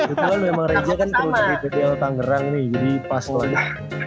itu kan memang reja kan terus di ptl tangerang nih jadi pas tuh aja